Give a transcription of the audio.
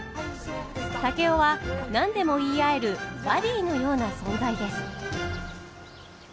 竹雄は何でも言い合えるバディーのような存在です。